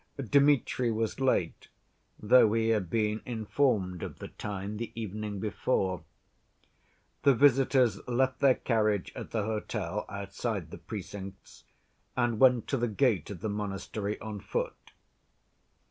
Dmitri was late, though he had been informed of the time the evening before. The visitors left their carriage at the hotel, outside the precincts, and went to the gates of the monastery on foot.